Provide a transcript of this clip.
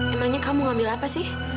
emangnya kamu mau ambil apa sih